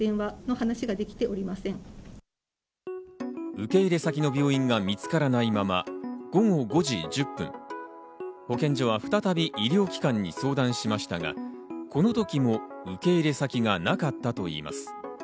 受け入れ先の病院が見つからないまま午後５時１０分、保健所は再び医療機関に相談しましたが、この時も受け入れ先がなかったといいます。